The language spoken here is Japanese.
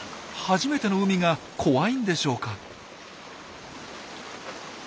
初めての海が怖いんでしょうか。